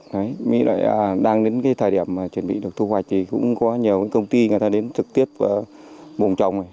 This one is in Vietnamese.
đấy nghĩ là đang đến cái thời điểm mà chuẩn bị được thu hoạch thì cũng có nhiều công ty người ta đến trực tiếp vùng trồng